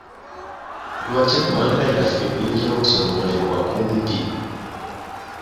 Lwaki egggwanga lyaffe lirina okusomozebwa kungi?